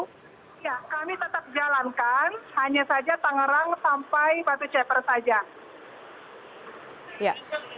ya kami tetap jalankan hanya saja tangerang sampai batu ceper saja